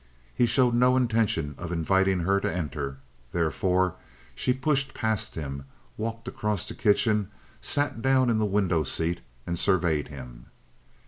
He showed no intention of inviting her to enter. Therefore she pushed past him, walked across the kitchen, sat down in the window seat, and surveyed him.